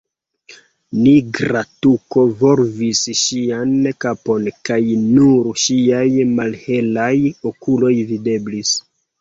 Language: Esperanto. Nigra tuko volvis ŝian kapon kaj nur ŝiaj malhelaj okuloj videblis.